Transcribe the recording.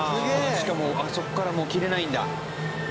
しかもあそこからもう切れないんだ。